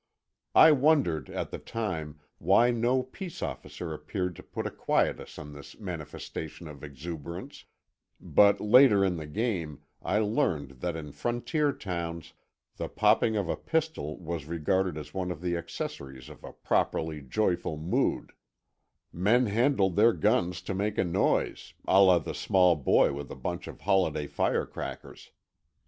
I wondered, at the time, why no peace officer appeared to put a quietus on this manifestation of exuberance, but later in the game I learned that in frontier towns the popping of a pistol was regarded as one of the accessories of a properly joyful mood, men handled their guns to make a noise, a la the small boy with a bunch of holiday firecrackers.